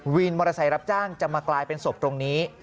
วินมอเตอร์ไซค์รับจ้างจะมากลายเป็นศพตรงนี้